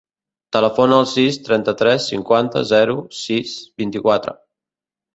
Telefona al sis, trenta-tres, cinquanta, zero, sis, vint-i-quatre.